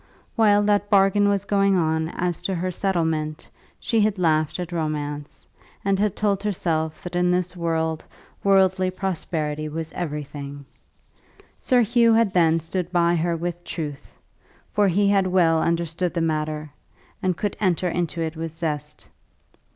While that bargain was going on as to her settlement, she had laughed at romance, and had told herself that in this world worldly prosperity was everything. Sir Hugh then had stood by her with truth, for he had well understood the matter, and could enter into it with zest.